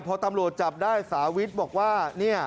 พอตำรวจจับได้สาวิทบอกว่า